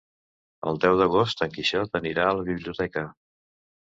El deu d'agost en Quixot anirà a la biblioteca.